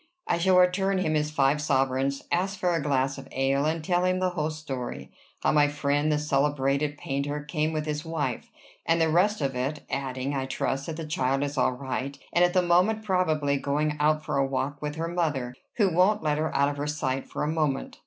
I shall return him his five sovereigns, ask for a glass of ale, and tell him the whole story, how my friend, the celebrated painter, came with his wife, and the rest of it, adding, I trust, that the child is all right, and at the moment probably going out for a walk with her mother, who won't let her out of her sight for a moment."